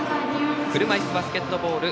車いすバスケットボール